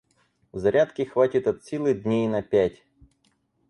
Зарядки хватит от силы дней на пять.